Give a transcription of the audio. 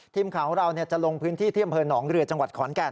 ทีมข่าวของเราจะลงพื้นที่ที่อำเภอหนองเรือจังหวัดขอนแก่น